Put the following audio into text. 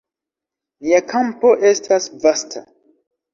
Nia kampo estas vasta.